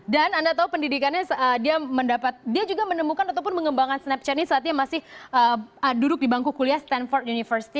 dan anda tahu pendidikannya dia mendapat dia juga menemukan ataupun mengembangkan snapchat ini saatnya masih duduk di bangku kuliah stanford university